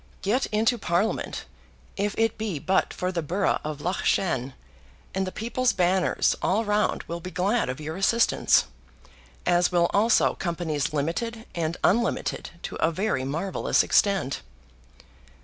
Get into Parliament, if it be but for the borough of Loughshane, and the People's Banners all round will be glad of your assistance, as will also companies limited and unlimited to a very marvellous extent.